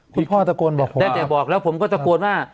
คุณพ่อตะโกนบอกได้แต่บอกแล้วผมก็ตะโกนว่า